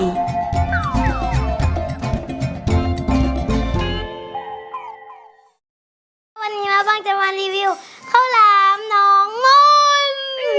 วันนี้มาฟังจะมารีวิวข้าวหลามน้องมนต์